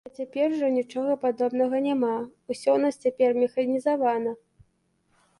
А цяпер ужо нічога падобнага няма, усё ў нас цяпер механізавана.